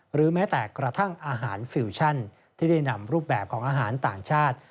หรือแม้แต่กระทั่งอาหารฟิวชั่นที่ได้นำรูปแบบของอาหารต่างชาติ